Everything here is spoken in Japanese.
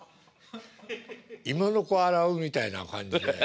芋の子を洗うみたいな感じで。